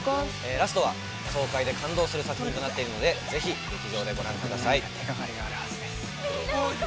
ラストは爽快で感動する作品となっているので、ぜひ劇場でご覧ください。